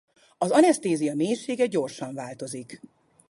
Az anesztézia mélysége gyorsan változik.